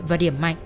và điểm mạnh